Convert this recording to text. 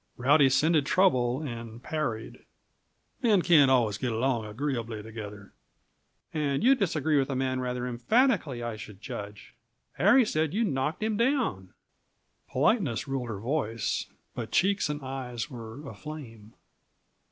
Rowdy scented trouble and parried. "Men can't always get along agreeably together." "And you disagree with a man rather emphatically, I should judge. Harry said you knocked him down." Politeness ruled her voice, but cheeks and eyes were aflame.